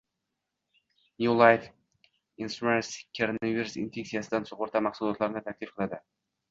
New Life Insurance koronavirus infektsiyasidan sug'urta mahsulotlarini taklif qiladi